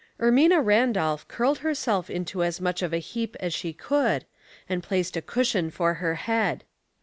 •RMINA RANDOLPH curled herself into as much of a heap as she could, and placed a cushion for her head.